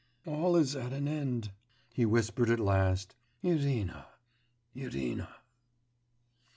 'All is at an end!' he whispered at last, 'Irina! Irina!